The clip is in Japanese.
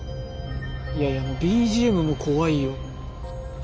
いやいやもうＢＧＭも怖いよ。